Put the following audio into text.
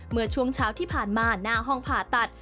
เมื่อช่วงเช้าที่ผ่านมาหน้าห้องผ่าตัด